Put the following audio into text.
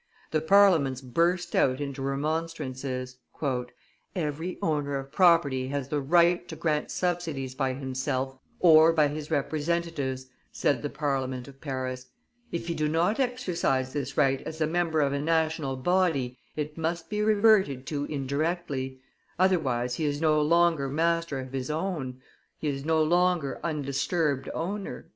The Parliaments burst out into remonstrances. "Every owner of property has the right to grant subsidies by himself or by his representatives," said the Parliament of Paris; "if he do not exercise this right as a member of a national body, it must be reverted to indirectly, otherwise he is no longer master of his own, he is no longer undisturbed owner."